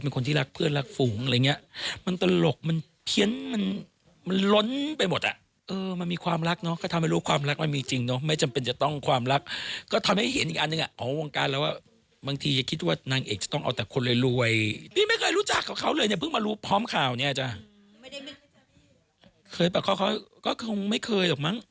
เคยปรับข้อก็คงไม่เคยหรอกมั้ง